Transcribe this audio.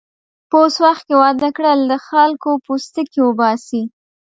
په اوس وخت کې واده کړل، له خلکو پوستکی اوباسي.